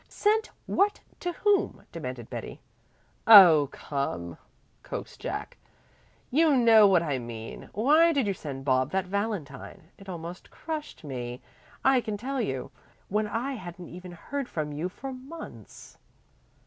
"Sent what to whom?" demanded Betty. "Oh come," coaxed Jack. "You know what I mean. Why did you send Bob that valentine? It almost crushed me, I can tell you, when I hadn't even heard from you for months."